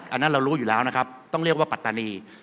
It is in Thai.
อันนั้นเรารู้อยู่แล้วนะครับต้องเรียกว่าปัตตานี